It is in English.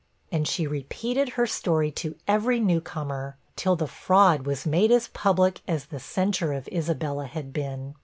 And she repeated her story to every new comer, till the fraud was made as public as the censure of Isabella had been.